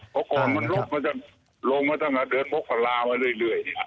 เพราะก่อนมันลบมันจะลงมาตั้งแต่เดือนมกรามาเรื่อย